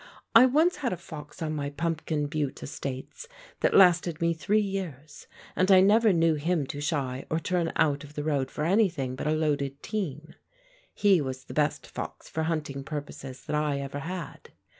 I once had a fox on my Pumpkin Butte estates that lasted me three years, and I never knew him to shy or turn out of the road for anything but a loaded team. He was the best fox for hunting purposes that I ever had.